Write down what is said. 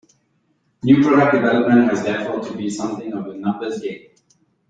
New product development has therefore to be something of a numbers game.